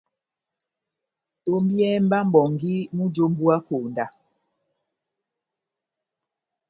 Tombiyɛhɛ mba mʼbongi múji ó mbuwa konda !